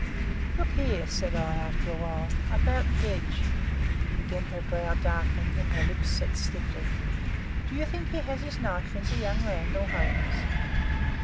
"Look here," said I, after a while. "About Gedge " again her brow darkened and her lips set stiffly "do you think he has his knife into young Randall Holmes?"